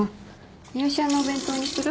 三好屋のお弁当にする？